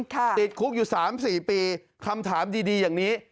ติดคุกอยู่๓๔ปีคำถามดีอย่างนี้